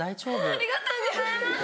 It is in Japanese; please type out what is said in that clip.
ありがとうございます！